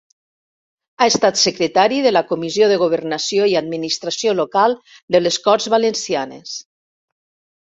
Ha estat secretari de la Comissió de Governació i Administració Local de les Corts Valencianes.